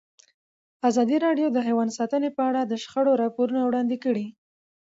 ازادي راډیو د حیوان ساتنه په اړه د شخړو راپورونه وړاندې کړي.